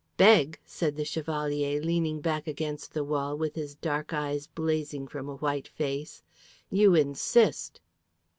"Beg!" said the Chevalier, leaning back against the wall with his dark eyes blazing from a white face; "you insist."